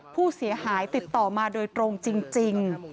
ผู้เสียหายติดต่อมาโดยตรงจริง